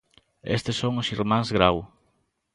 Estes son os irmáns Grau.